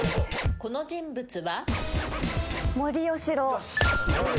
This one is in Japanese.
この人物は？